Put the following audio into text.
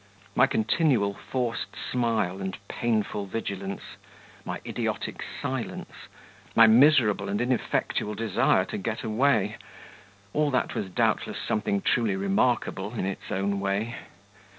My continual forced smile and painful vigilance, my idiotic silence, my miserable and ineffectual desire to get away all that was doubtless something truly remarkable in its own way.